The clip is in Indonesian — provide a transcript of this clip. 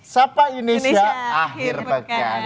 sapa indonesia akhir pekan